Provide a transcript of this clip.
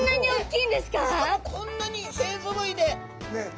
しかもこんなに勢ぞろいで。